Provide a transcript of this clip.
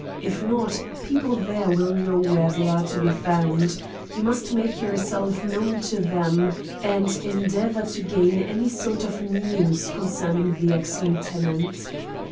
If not, people there will know where they are to be found. You must make yourself known to them, and endeavour to gain any sort of news concerning the ex lieutenant.